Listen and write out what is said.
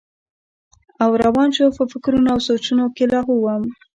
او روان شو پۀ فکرونو او سوچونو کښې لاهو وم